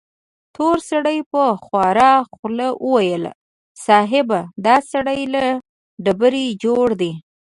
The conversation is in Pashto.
تور سړي په خواره خوله وويل: صيب! دا سړی له ډبرې جوړ دی.